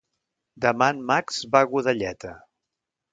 Demà en Max va a Godelleta.